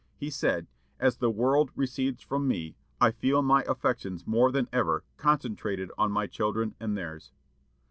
He said: "As the world recedes from me, I feel my affections more than ever concentrated on my children and theirs."